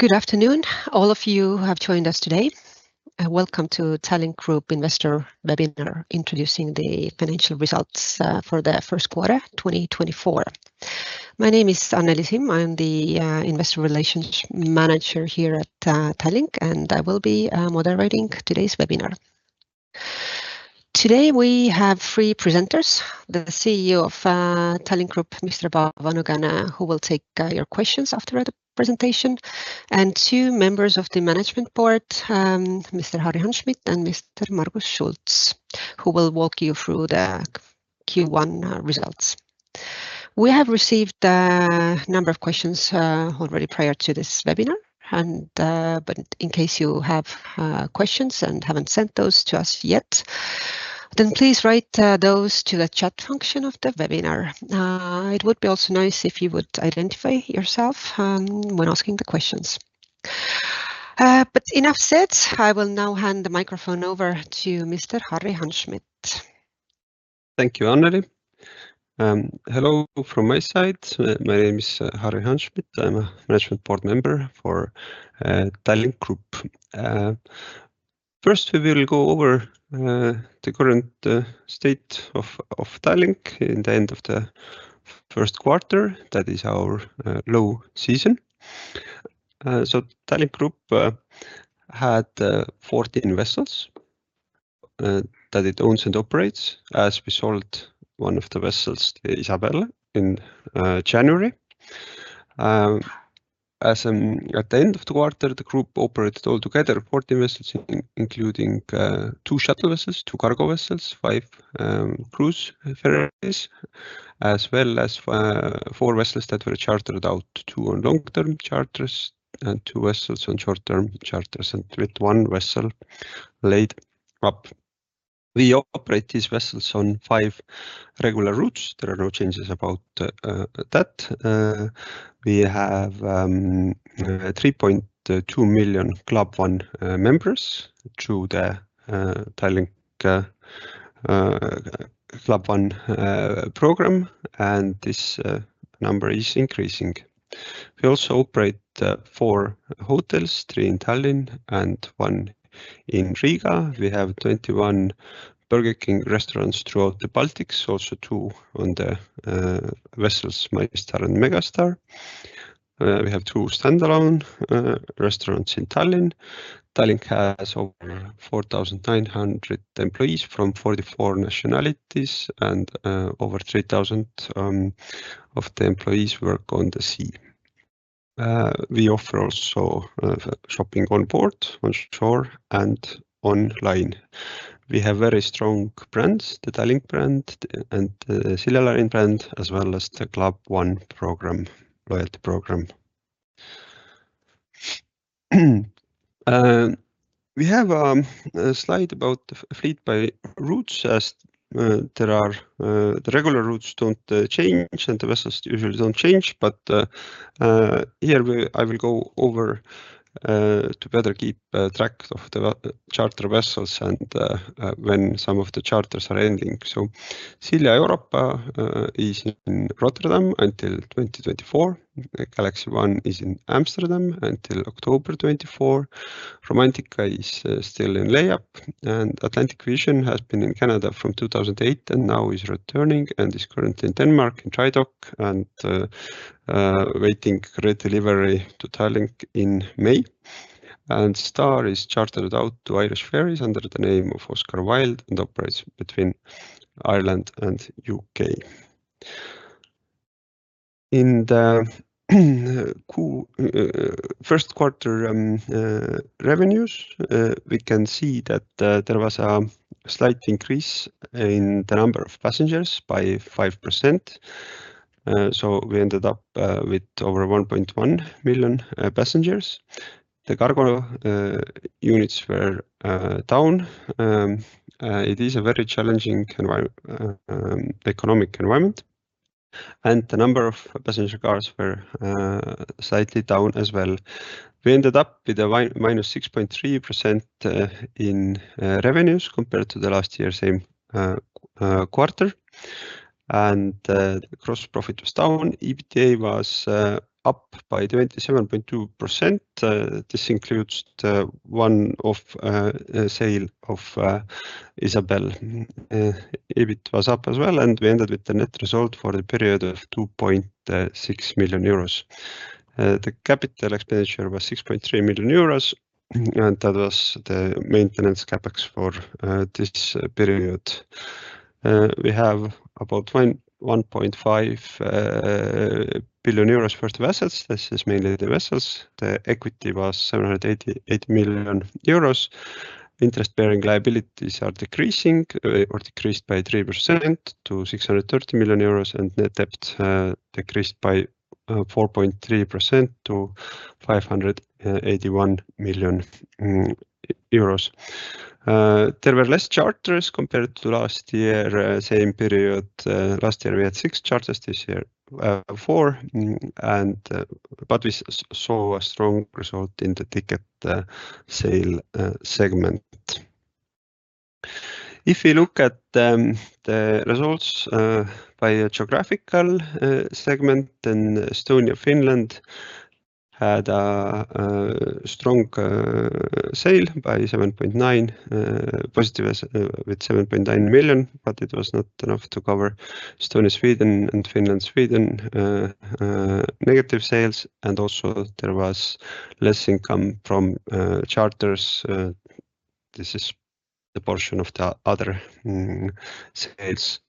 Good afternoon, all of you who have joined us today. Welcome to Tallink Grupp Investor Webinar introducing the financial results for the first quarter, 2024. My name is Anneli Simm, I'm the Investor Relations Manager here at Tallink, and I will be moderating today's webinar. Today we have three presenters: the CEO of Tallink Grupp, Mr. Paavo Nõgene, who will take your questions after the presentation, and two members of the management board, Mr. Harri Hanschmidt and Mr. Margus Schults, who will walk you through the Q1 results. We have received a number of questions already prior to this webinar, but in case you have questions and haven't sent those to us yet, then please write those to the chat function of the webinar. It would be also nice if you would identify yourself when asking the questions. But enough said, I will now hand the microphone over to Mr.Harri Hanschmidt. Thank you, Anneli. Hello from my side. My name is Harri Hanschmidt, I'm a management board member for Tallink Grupp. First, we will go over the current state of Tallink in the end of the first quarter, that is our low season. Tallink Grupp had 14 vessels that it owns and operates, as we sold one of the vessels, Isabel, in January. At the end of the quarter, the group operated altogether 14 vessels, including two shuttle vessels, two cargo vessels, five cruise ferries, as well as four vessels that were chartered out, two on long-term charters and two vessels on short-term charters, and with one vessel laid up. We operate these vessels on five regular routes, there are no changes about that. We have 3.2 million Club One members through the Tallink Club One program, and this number is increasing. We also operate four hotels, three in Tallink and one in Riga. We have 21 Burger King restaurants throughout the Baltics, also two on the vessels, MyStar and Megastar. We have two standalone restaurants in Tallink. Tallink has over 4,900 employees from 44 nationalities, and over 3,000 of the employees work on the sea. We offer also shopping on board, on shore, and online. We have very strong brands, the Tallink brand and the Silja Line brand, as well as the Club One program, loyalty program. We have a slide about the fleet by routes, as the regular routes don't change and the vessels usually don't change, but here I will go over to better keep track of the charter vessels and when some of the charters are ending. Silja Europa is in Rotterdam until 2024. Galaxy I is in Amsterdam until October 2024. Romantica is still in layup, and Atlantic Vision has been in Canada from 2008 and now is returning and is currently in Denmark in dry dock and waiting for delivery to Tallink in May. Star is chartered out to Irish Ferries under the name of Oscar Wilde and operates between Ireland and the U.K. In the first quarter revenues, we can see that there was a slight increase in the number of passengers by 5%, so we ended up with over 1.1 million passengers. The cargo units were down. It is a very challenging economic environment, and the number of passenger cars were slightly down as well. We ended up with a -6.3% in revenues compared to last year's same quarter, and the gross profit was down. EBITDA was up by 27.2%. This includes one of the sales of Isabel. EBIT was up as well, and we ended with a net result for the period of 2.6 million euros. The capital expenditure was 6.3 million euros, and that was the maintenance CapEx for this period. We have about 1.5 billion euros worth of assets, this is mainly the vessels. The equity was 780 million euros. Interest-bearing liabilities are decreasing or decreased by 3% to 630 million euros, and net debt decreased by 4.3% to EUR 581 million. There were less charters compared to last year, same period. Last year we had six charters, this year four, but we saw a strong result in the ticket sale segment. If we look at the results by geographical segment, then Estonia-Finland had a strong sales by 7.9 million, positive with 7.9 million, but it was not enough to cover Estonia-Sweden and Finland-Sweden negative sales, and also there was less income from charters. This is the portion of the other sales.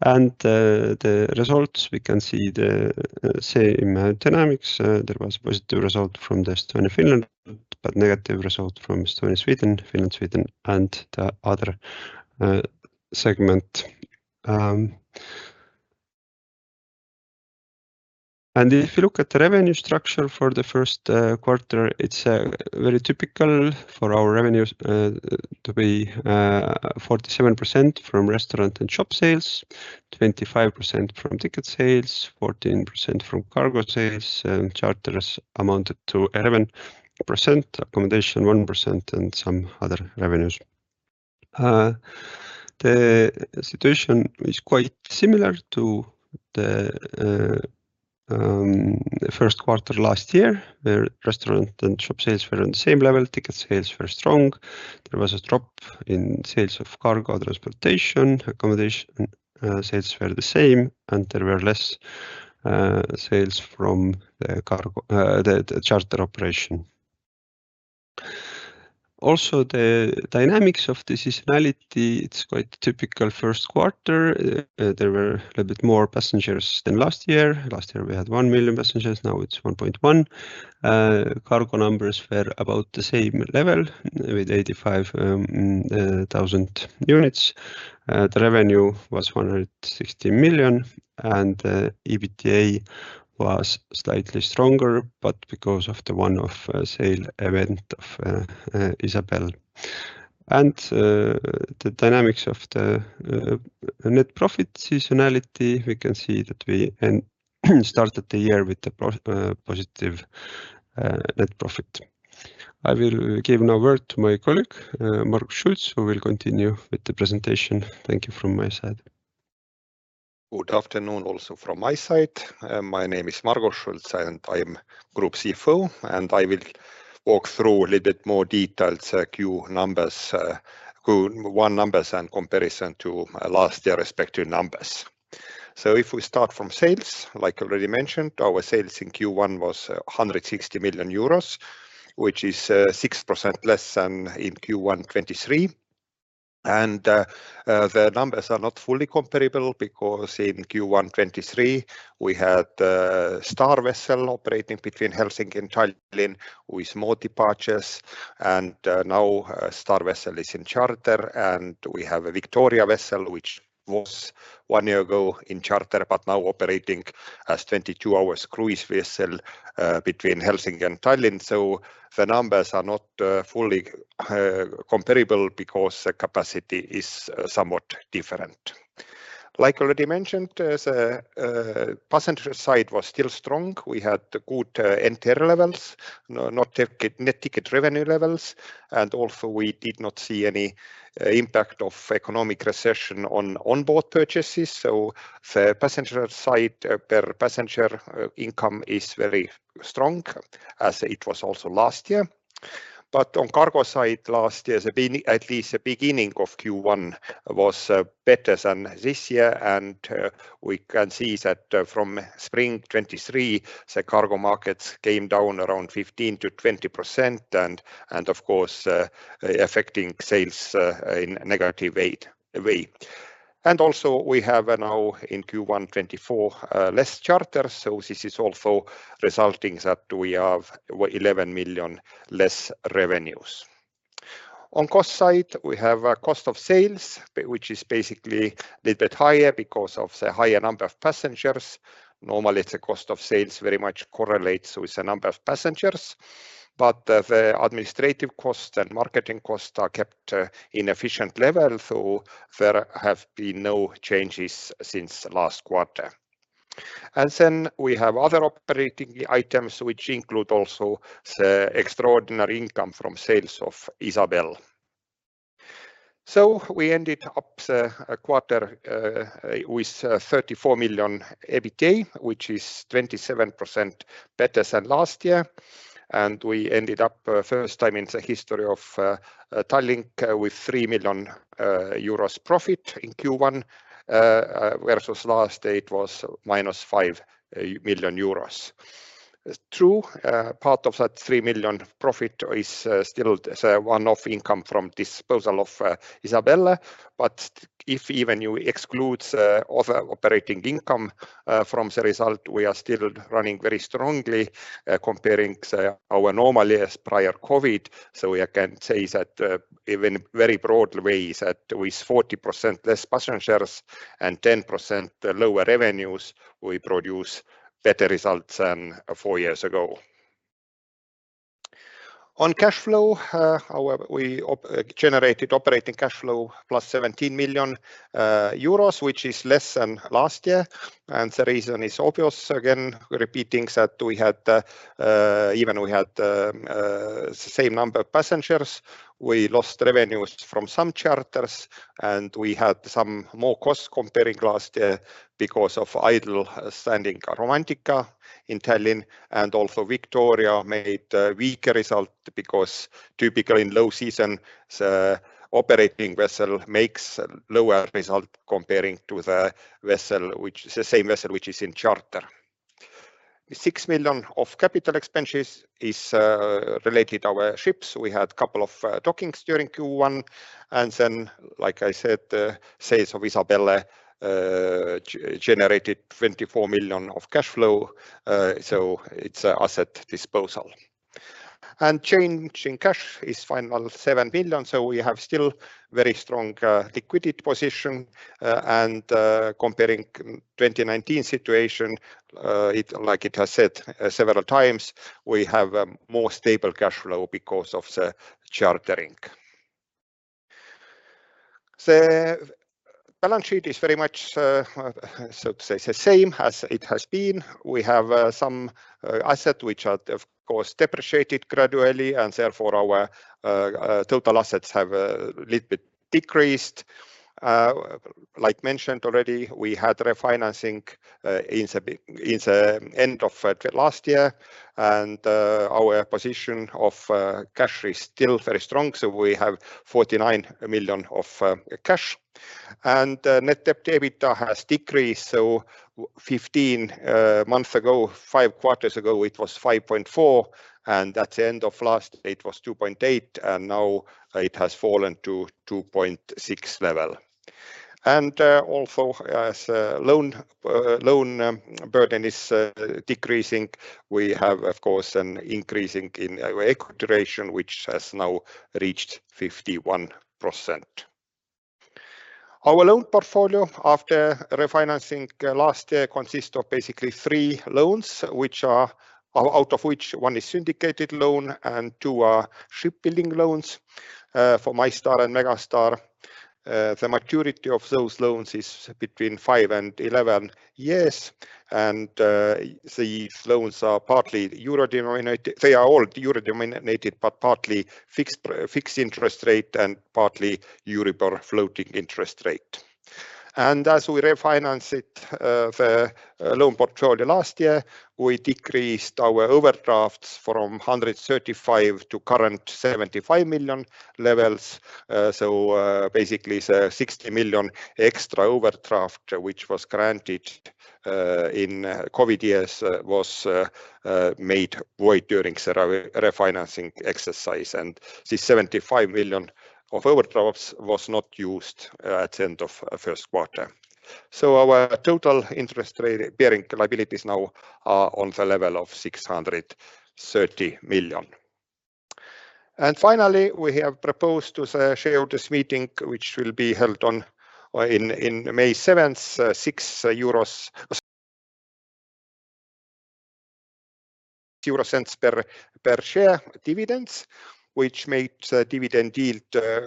The results, we can see the same dynamics. There was a positive result from Estonia-Finland, but negative result from Estonia-Sweden, Finland-Sweden, and the other segment. If you look at the revenue structure for the first quarter, it's very typical for our revenues to be 47% from restaurant and shop sales, 25% from ticket sales, 14% from cargo sales, charters amounted to 11%, accommodation 1%, and some other revenues. The situation is quite similar to the first quarter last year, where restaurant and shop sales were on the same level, ticket sales were strong. There was a drop in sales of cargo transportation, accommodation sales were the same, and there were less sales from the charter operation. Also, the dynamics of the seasonality, it's quite typical first quarter. There were a little bit more passengers than last year. Last year we had 1 million passengers, now it's 1.1. Cargo numbers were about the same level with 85,000 units. The revenue was 160 million, and the EBITDA was slightly stronger, but because of the one-off sale event of Isabel. The dynamics of the net profit seasonality, we can see that we started the year with a positive net profit. I will give now the word to my colleague, Margus Schults, who will continue with the presentation. Thank you from my side. Good afternoon also from my side. My name is Margus Schults, and I'm Group CFO, and I will walk through a little bit more detailed Q1 numbers and comparison to last year respective numbers. So if we start from sales, like I already mentioned, our sales in Q1 was 160 million euros, which is 6% less than in Q1 2023. The numbers are not fully comparable because in Q1 2023 we had Star vessel operating between Helsinki and Tallink with more departures, and now Star vessel is in charter, and we have a Victoria vessel, which was one year ago in charter but now operating as a 22-hour cruise vessel between Helsinki and Tallink. So the numbers are not fully comparable because the capacity is somewhat different. Like I already mentioned, the passenger side was still strong. We had good NTR levels, not net ticket revenue levels, and also we did not see any impact of economic recession on onboard purchases. So the passenger side, per passenger income, is very strong as it was also last year. But on cargo side last year, at least the beginning of Q1 was better than this year, and we can see that from spring 2023 the cargo markets came down around 15%-20%, and of course affecting sales in a negative way. And also we have now in Q1 2024 less charters, so this is also resulting that we have 11 million less revenues. On cost side, we have a cost of sales, which is basically a little bit higher because of the higher number of passengers. Normally the cost of sales very much correlates with the number of passengers, but the administrative costs and marketing costs are kept at an efficient level, so there have been no changes since last quarter. Then we have other operating items, which include also the extraordinary income from sales of Isabel. So we ended up the quarter with 34 million EBITDA, which is 27% better than last year, and we ended up first time in the history of Tallink with 3 million euros profit in Q1 versus last year it was -5 million euros. True, part of that 3 million profit is still one-off income from disposal of Isabel, but if you even exclude other operating income from the result, we are still running very strongly comparing our normal years prior COVID. We can say that even in very broad ways that with 40% less passengers and 10% lower revenues, we produce better results than four years ago. On cash flow, we generated operating cash flow + 17 million euros, which is less than last year. The reason is obvious, again repeating that even we had the same number of passengers, we lost revenues from some charters, and we had some more costs comparing last year because of idle standing Romantica in Tallink and also Victoria made a weaker result because typically in low season the operating vessel makes a lower result comparing to the vessel, which is the same vessel which is in charter. 6 million of capital expenditures is related to our ships. We had a couple of dockings during Q1, and then, like I said, the sales of Isabel generated 24 million of cash flow, so it's an asset disposal. And change in cash is final 7 million, so we have still a very strong liquidity position. Comparing the 2019 situation, like it has said several times, we have more stable cash flow because of the chartering. The balance sheet is very much, so to say, the same as it has been. We have some assets which are, of course, depreciated gradually, and therefore our total assets have a little bit decreased. Like mentioned already, we had refinancing in the end of last year, and our position of cash is still very strong. We have 49 million of cash, and Net Debt EBITDA has decreased. So 15 months ago, five quarters ago, it was 5.4, and at the end of last year it was 2.8, and now it has fallen to 2.6 level. And also as the loan burden is decreasing, we have, of course, an increase in our equity duration, which has now reached 51%. Our loan portfolio after refinancing last year consists of basically three loans, out of which one is a syndicated loan and two are shipbuilding loans for MyStar and Megastar. The maturity of those loans is between five and 11 years, and these loans are partly euro-denominated. They are all euro-denominated, but partly fixed interest rate and partly Euribor floating interest rate. And as we refinanced the loan portfolio last year, we decreased our overdrafts from 135 million to current 75 million levels. So basically the 60 million extra overdraft, which was granted in COVID years, was made void during the refinancing exercise, and this 75 million of overdrafts was not used at the end of the first quarter. So our total interest-bearing liabilities now are on the level of 630 million. And finally, we have proposed to the shareholders' meeting, which will be held on May 7th, EUR 6 per share dividends, which makes the dividend yield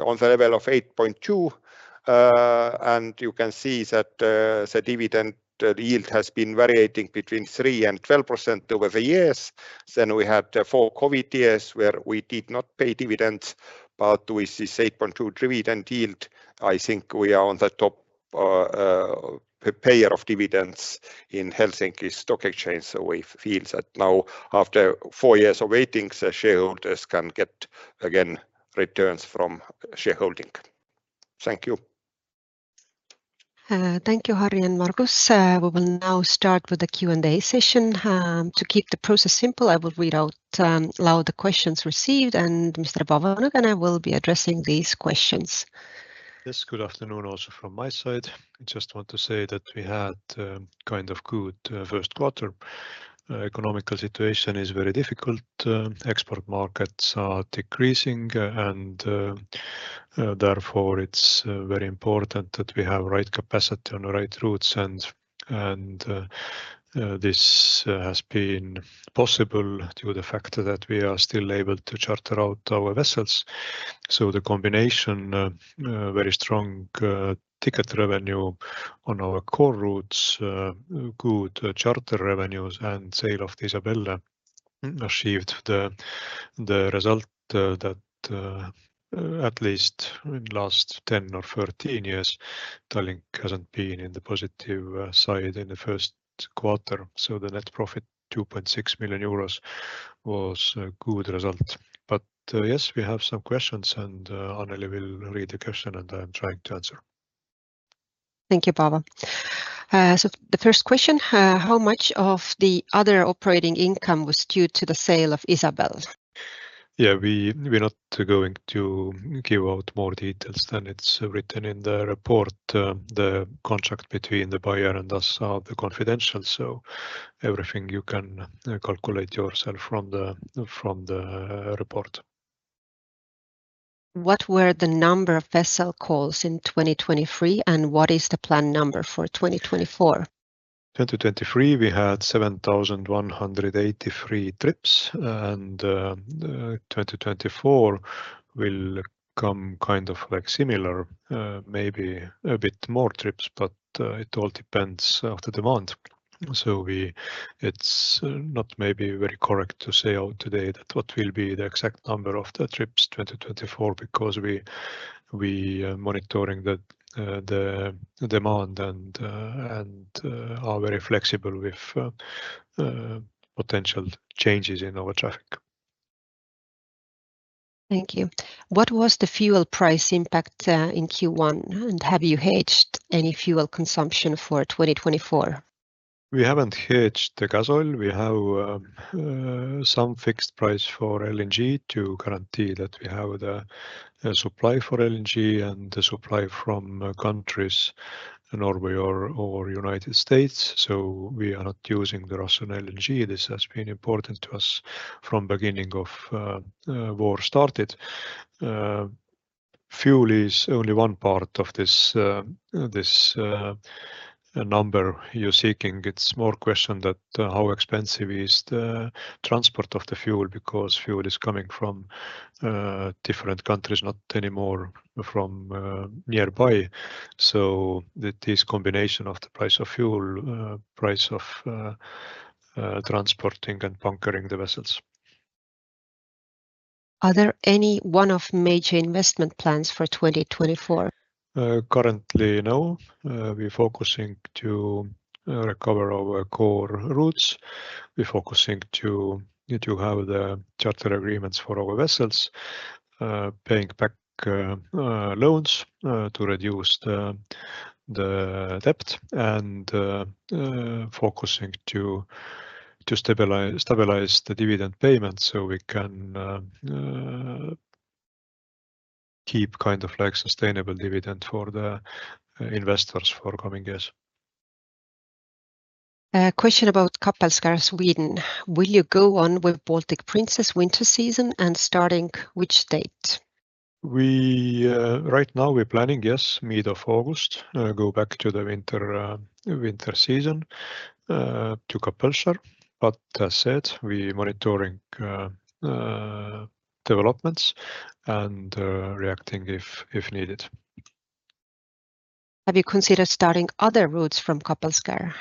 on the level of 8.2%. And you can see that the dividend yield has been varying between 3% and 12% over the years. Then we had four COVID years where we did not pay dividends, but with this 8.2% dividend yield, I think we are on the top payer of dividends in Helsinki Stock Exchange. So we feel that now after four years of waiting, shareholders can get again returns from shareholding. Thank you. Thank you, Harri and Margus. We will now start with the Q&A session. To keep the process simple, I will read out loud the questions received, and Mr. Paavo Nõgene will be addressing these questions. Yes, good afternoon also from my side. I just want to say that we had a kind of good first quarter. The economic situation is very difficult. Export markets are decreasing, and therefore it's very important that we have the right capacity on the right routes, and this has been possible due to the fact that we are still able to charter out our vessels. So the combination, very strong ticket revenue on our core routes, good charter revenues, and sale of Isabel achieved the result that at least in the last 10 or 13 years, Tallink hasn't been on the positive side in the first quarter. So the net profit of 2.6 million euros was a good result. But yes, we have some questions, and Anneli will read the question, and I'm trying to answer. Thank you, Paavo. So the first question, how much of the other operating income was due to the sale of Isabel? Yeah, we're not going to give out more details than it's written in the report. The contract between the buyer and us are confidential, so everything you can calculate yourself from the report. What were the number of vessel calls in 2023, and what is the plan number for 2024? 2023, we had 7,183 trips, and 2024 will come kind of similar, maybe a bit more trips, but it all depends on the demand. So it's not maybe very correct to say out today what will be the exact number of the trips in 2024 because we're monitoring the demand and are very flexible with potential changes in our traffic. Thank you. What was the fuel price impact in Q1, and have you hedged any fuel consumption for 2024? We haven't hedged the gasoil. We have some fixed price for LNG to guarantee that we have the supply for LNG and the supply from countries in Norway or the United States. So we are not using the Russian LNG. This has been important to us from the beginning of the war started. Fuel is only one part of this number you're seeking. It's more a question of how expensive the transport of the fuel is because fuel is coming from different countries, not anymore from nearby. So it is a combination of the price of fuel, the price of transporting, and bunkering the vessels. Are there any one-off major investment plans for 2024? Currently, no. We're focusing to recover our core routes. We're focusing to have the charter agreements for our vessels, paying back loans to reduce the debt, and focusing to stabilize the dividend payment so we can keep kind of a sustainable dividend for the investors for the coming years. Question about Kapellskär, Sweden. Will you go on with Baltic Princess winter season and starting which date? Right now, we're planning, yes, mid-August, to go back to the winter season to Kapellskär. But as said, we're monitoring developments and reacting if needed. Have you considered starting other routes from Kapellskär?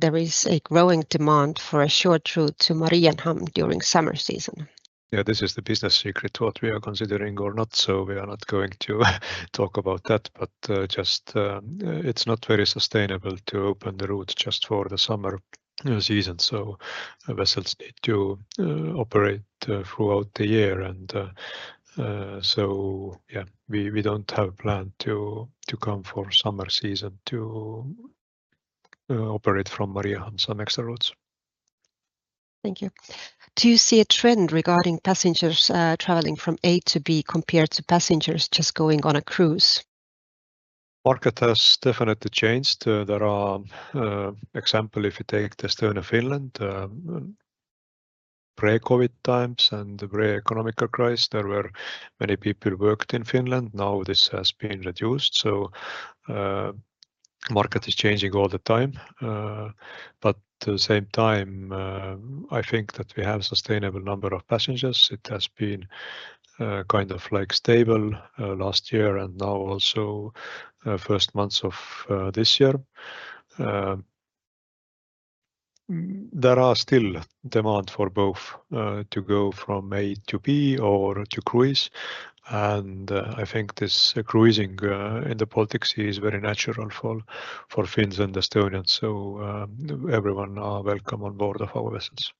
There is a growing demand for a short route to Mariehamn during summer season. Yeah, this is the business secret, what we are considering or not. So we are not going to talk about that, but it's not very sustainable to open the route just for the summer season. So vessels need to operate throughout the year. And so yeah, we don't have a plan to come for summer season to operate from Mariehamn some extra routes. Thank you. Do you see a trend regarding passengers traveling from A to B compared to passengers just going on a cruise? Market has definitely changed. For example, if you take the state of Finland, pre-COVID times and the pre-economic crisis, there were many people who worked in Finland. Now this has been reduced. So the market is changing all the time. But at the same time, I think that we have a sustainable number of passengers. It has been kind of stable last year and now also the first months of this year. There is still demand for both to go from A to B or to cruise. And I think this cruising in the Baltic Sea is very natural for Finns and Estonians. So everyone is welcome on board of our vessels.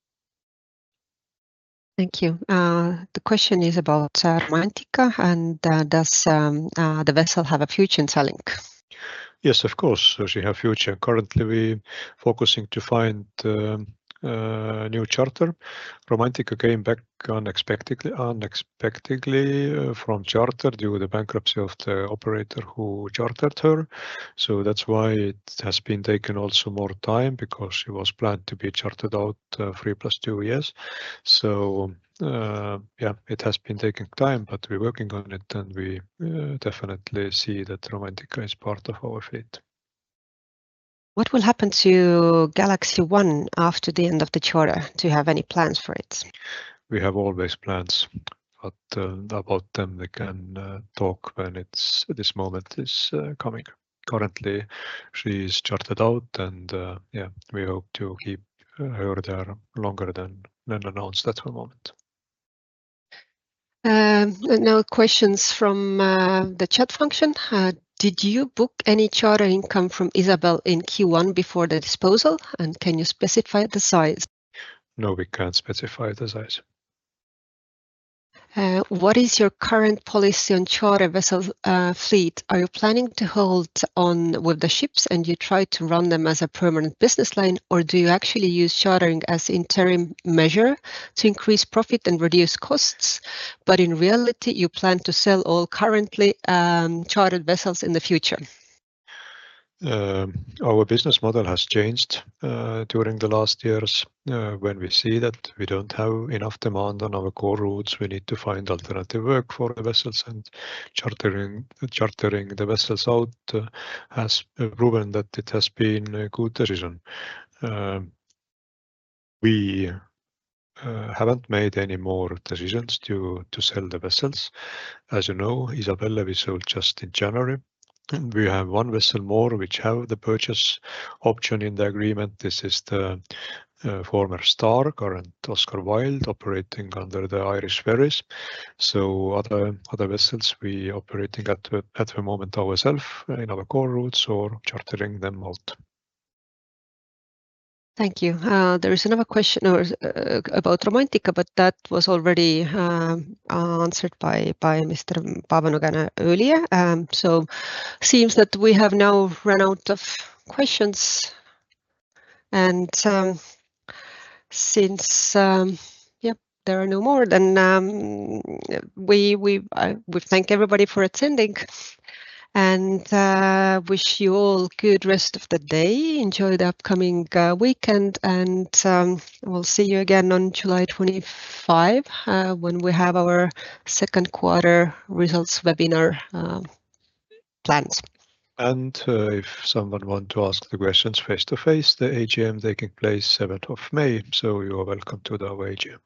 Thank you. The question is about Romantica, and does the vessel have a future in Tallink? Yes, of course. So she has a future. Currently, we're focusing to find a new charter. Romantica came back unexpectedly from charter due to the bankruptcy of the operator who chartered her. So that's why it has been taken also more time because she was planned to be chartered out 3+2 years. So yeah, it has been taking time, but we're working on it, and we definitely see that Romantica is part of our fleet. What will happen to Galaxy One after the end of the charter? Do you have any plans for it? We have always plans, but about them, we can talk when this moment is coming. Currently, she is chartered out, and yeah, we hope to keep her there longer than announced. That's the moment. Now, questions from the chat function. Did you book any charter income from Isabel in Q1 before the disposal? And can you specify the size? No, we can't specify the size. What is your current policy on charter vessel fleet? Are you planning to hold on with the ships and you try to run them as a permanent business line, or do you actually use chartering as an interim measure to increase profit and reduce costs, but in reality, you plan to sell all currently chartered vessels in the future? Our business model has changed during the last years. When we see that we don't have enough demand on our core routes, we need to find alternative work for the vessels. And chartering the vessels out has proven that it has been a good decision. We haven't made any more decisions to sell the vessels. As you know, Isabel will be sold just in January. We have one vessel more which has the purchase option in the agreement. This is the former Star, current Oscar Wilde, operating under the Irish Ferries. So other vessels, we're operating at the moment ourselves in our core routes or chartering them out. Thank you. There is another question about Romantica, but that was already answered by Mr. Paavo Nõgene earlier. So it seems that we have now run out of questions. And since there are no more, then we thank everybody for attending and wish you all a good rest of the day. Enjoy the upcoming weekend, and we'll see you again on July 25 when we have our second quarter results webinar planned. If someone wants to ask the questions face-to-face, the AGM can take place on the 7th of May. You are welcome to our AGM.